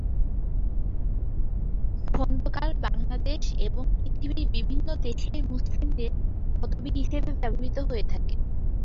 খোন্দকার বাংলাদেশ এবং পৃথিবীর বিভিন্ন দেশের মুসলিমদের পদবি হিসেবে ব্যবহৃত হয়ে থাকে।